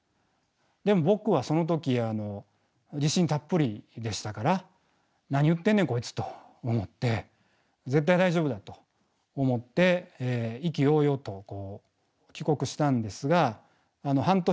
でも僕はその時自信たっぷりでしたから「何言ってんねんこいつ」と思って絶対大丈夫だと思って意気揚々と帰国したんですが半年するとＰＡＤになりました。